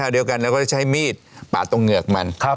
เดียวกันเราก็จะใช้มีดปาดตรงเหงือกมัน